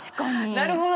なるほど！